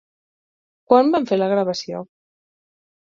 Quan van fer la gravació?